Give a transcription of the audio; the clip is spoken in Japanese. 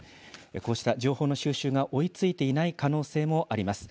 こうした情報の収集が追いついていない可能性もあります。